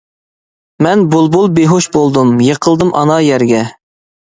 مەن بۇلبۇل بىھوش بولدۇم، يىقىلدىم ئانا يەرگە.